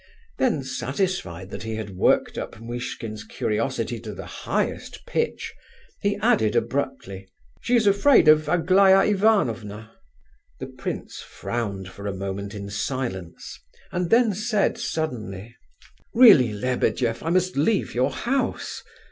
Then, satisfied that he had worked up Muishkin's curiosity to the highest pitch, he added abruptly: "She is afraid of Aglaya Ivanovna." The prince frowned for a moment in silence, and then said suddenly: "Really, Lebedeff, I must leave your house.